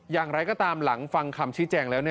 อย่างไรก็ตามหลังฟังคำชี้แจงแล้ว